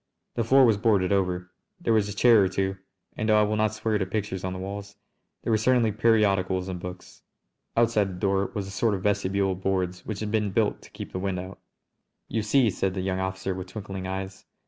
The floor was boarded over. There was a chair or two, and though I will not swear to pictures on the walls there were certainly periodicals and books. Outside the door was a sort of vestibule of boards which had been built to keep the wind out. "You see!" said the young officer with twinkling eyes.